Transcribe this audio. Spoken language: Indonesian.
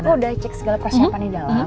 kita sudah cek segala persiapan di dalam